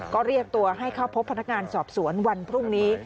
ก็เรียกตัวให้เข้าพบพนักงานสอบสวนวันพรุ่งนี้